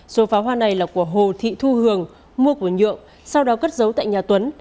số pháo hoa này là của hồ thị thu hường mua của nhượng sau đó cất giấu tại nhà tuấn